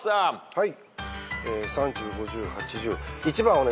はい。